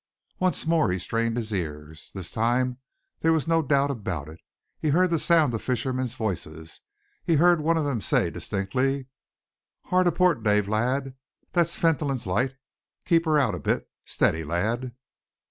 Once more he strained his ears. This time there was no doubt about it. He heard the sound of fishermen's voices. He heard one of them say distinctly: "Hard aport, Dave lad! That's Fentolin's light. Keep her out a bit. Steady, lad!"